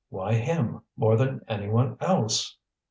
Why him, more than any one else?"